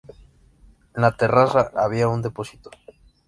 En la terraza había un depósito.